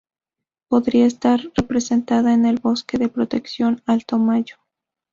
Podría estar representada en el Bosque de Protección Alto Mayo.